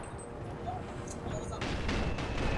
نه به سر ته وي امان د غریبانو.